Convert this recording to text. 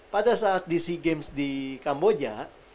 pada saat di sea games di kamboja